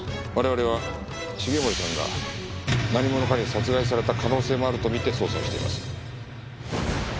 我々は重森さんが何者かに殺害された可能性もあると見て捜査をしています。